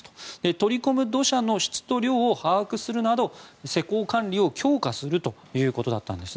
取り込む土砂の質と量を把握するなど施工管理を強化するということだったんです。